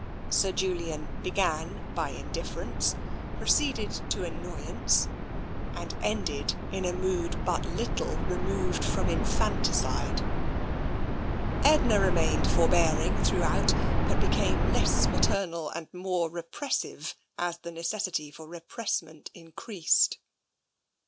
Sir Julian began by indifference, proceeded to annoyance, and 268 TENSION ended in a mood but little removed from infanticide. Edna remained forbearing throughout, but became less maternal and more repressive as the necessity for re pressment increased.